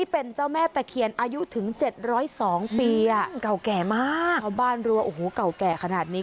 ๒ปีอ่ะเก่าแก่มากเข้าบ้านรัวโอ้โหเก่าแก่ขนาดนี้